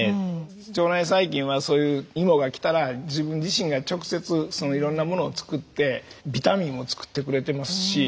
腸内細菌はそういう芋が来たら自分自身が直接いろんなものを作ってビタミンも作ってくれてますし。